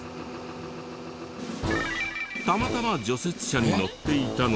たまたま除雪車に乗っていたのは。